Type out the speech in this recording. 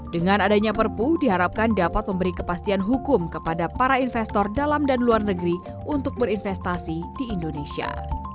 dengan adanya perpu diharapkan dapat memberi kepastian hukum kepada para investor dalam dan luar negeri untuk berinvestasi di indonesia